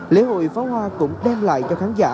lễ hội pháo hoa cũng đem lại cho khán giả